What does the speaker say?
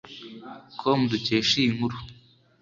com dukesha iyi nkuru